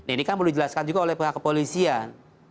ini kan perlu dijelaskan juga oleh pihak kepolisian